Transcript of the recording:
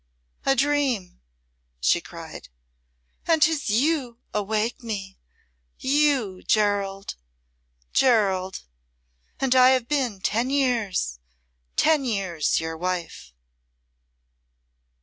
a dream!" she cried. "And 'tis you awake me! You Gerald Gerald! And I have been ten years ten years your wife!"